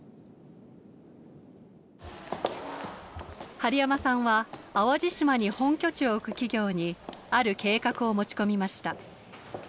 針山さんは淡路島に本拠地を置く企業にある計画を持ち込みました。